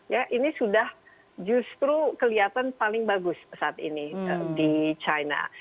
ya ini sudah justru kelihatan paling bagus saat ini di china